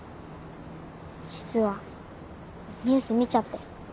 実はニュース見ちゃって。